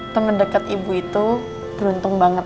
temen deket ibu itu beruntung banget